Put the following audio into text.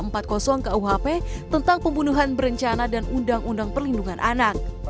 ternyata tersangka itu adalah pasal tiga ratus empat puluh kuhp tentang pembunuhan berencana dan undang undang perlindungan anak